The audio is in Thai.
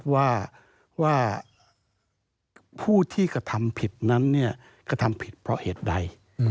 ว่าผู้ที่กระทำผิดนั้นกระทำผิดเพราะเหตุใด